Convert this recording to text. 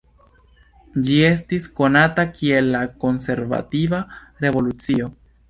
Ĝi estis konata kiel la Konservativa Revolucio.